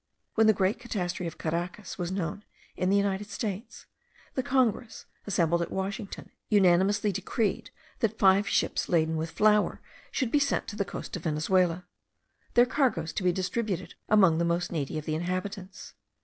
When the great catastrophe of Caracas was known in the United States, the Congress, assembled at Washington, unanimously decreed that five ships laden with flour should be sent to the coast of Venezuela; their cargoes to be distributed among the most needy of the inhabitants.